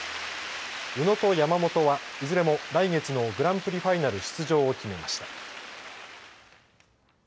宇野と山本はいずれも来月のグランプリファイナル出場を決めました。